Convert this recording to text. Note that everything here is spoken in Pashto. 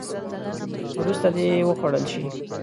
وروسته دې وخوړل شي.